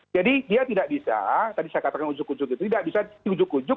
dia tidak bisa tadi saya katakan ujuk ujuk itu tidak bisa diujuk ujuk